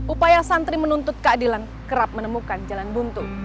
upaya santri menuntut keadilan kerap menemukan jalan buntu